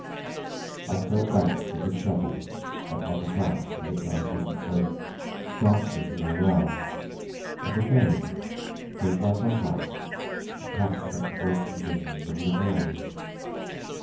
I fell back with a shudder upon the couch from which I had been so startlingly aroused, and again gave myself up to passionate waking visions of Ligeia.